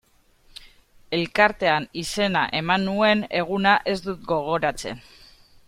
Elkartean izena eman nuen eguna ez dut gogoratzen.